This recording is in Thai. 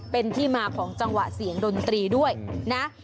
เป็นที่มาของจังหวะเสียงดนตรีด้วยนะ